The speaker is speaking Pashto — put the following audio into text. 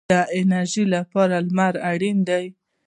د انرژۍ لپاره لمر اړین دی